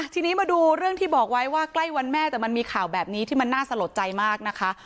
ทีนี้มาดูเรื่องที่บอกไว้ว่าใกล้วันแม่แต่มันมีข่าวแบบนี้ที่มันน่าสะหรับใจมากนะคะ